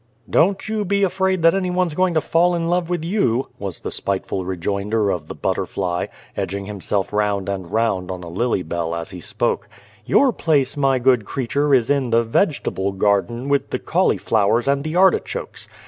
" Don't you be afraid that any one's going to fall in love with you," was the spiteful rejoinder of the butterfly, edging himself round and round on a lily bell as he spoke. "Your place, my good creature, is in the vegetable garden, with the cauliflowers and the artichokes.